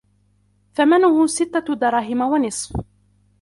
ثَمَنُهُ سِتَّةُ دَرَاهِمَ وَنِصْفٌ